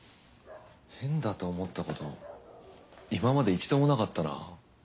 変だと思ったこと今まで一度もなかったな。